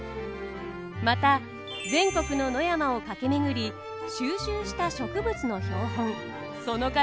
また全国の野山を駆け巡り収集した植物の標本その数